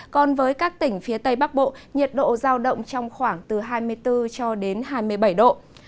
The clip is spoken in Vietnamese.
còn với các tỉnh phía tây bắc bộ nhiệt độ giao động trong khoảng từ hai mươi bốn cho đến hai mươi bảy độ